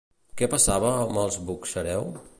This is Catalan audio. Què passava amb els Buxareu?